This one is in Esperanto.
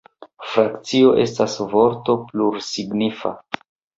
Frakcio estas vorto plursignifa.